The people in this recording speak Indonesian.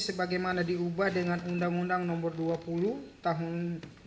sebagaimana diubah dengan undang undang nomor dua puluh tahun dua ribu dua